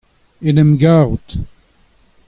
en em garout.